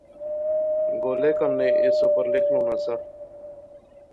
گولے کنے اُس اُپر لیخنونا سا